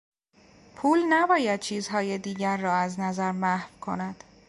پول نباید چیزهای دیگر را از نظر محو کند.